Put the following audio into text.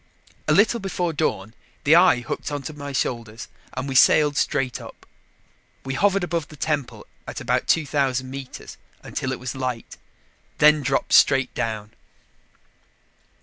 A little before dawn, the eye hooked onto my shoulders and we sailed straight up. We hovered above the temple at about 2,000 meters, until it was light, then dropped straight down.